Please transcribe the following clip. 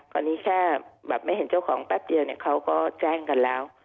ตอนนี้แค่แบบไม่เห็นเจ้าของแป๊บเดียวเนี่ยเขาก็แจ้งกันแล้ว